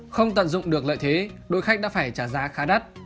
không tận dụng được lợi thế đội khách đã phải trả giá khá đắt